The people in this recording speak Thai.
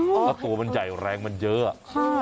แล้วตัวมันใหญ่แรงมันเยอะอะ